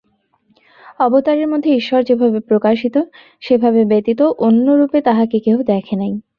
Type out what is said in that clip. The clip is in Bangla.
অবতারের মধ্যে ঈশ্বর যেভাবে প্রকাশিত, সেভাবে ব্যতীত অন্যরূপে তাঁহাকে কেহ দেখে নাই।